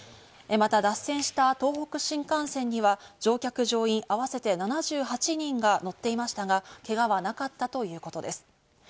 また脱線した東北新幹線には乗客乗員合わせて７８人が乗っていましたが、けがはなかったということです。